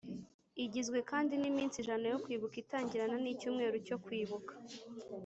Igizwe kandi n’iminsi ijana yo kwibuka itangirana n’icyumweru cyo kwibuka